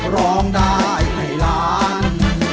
ร้องได้ให้ล้าน